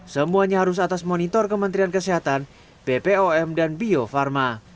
semuanya harus atas monitor kementerian kesehatan bpom dan bio farma